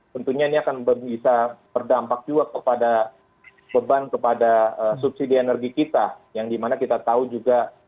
tentunya ini akan bisa berdampak juga kepada beban kepada subsidi energi kita yang dimana kita tahu juga